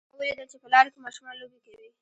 ما ولیدل چې په لاره کې ماشومان لوبې کوي